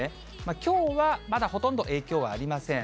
きょうはまだほとんど影響はありません。